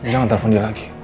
jangan telfon dia lagi